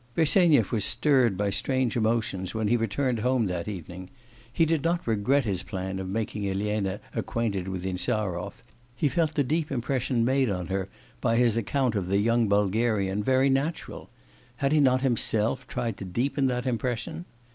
Bersenyev was stirred by strange emotions when he returned home that evening. He did not regret his plan of making Elena acquainted with Insarov, he felt the deep impression made on her by his account of the young Bulgarian very natural... had he not himself tried to deepen that impression!